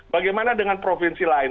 bagaimana dengan provinsi lain